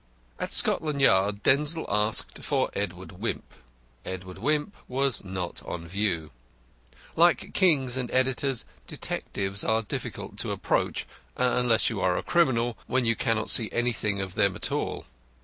At Scotland Yard Denzil asked for Edward Wimp. Edward Wimp was not on view. Like kings and editors, detectives are difficult of approach unless you are a criminal, when you cannot see anything of them at all.